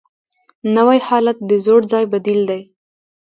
نوی حالت د زوړ ځای بدیل دی